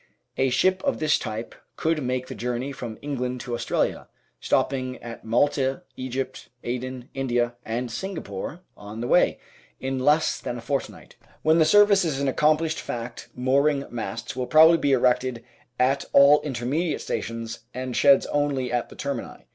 A ship of this type could make the journey from England to Australia, stopping at Malta, Egypt, Aden, India, and Singa pore on the way, in less than a fortnight. When the service is an accomplished fact mooring masts will probably be erected at VOL. Ill 10 800 The Outline of Science all intermediate stations and sheds only at the termini.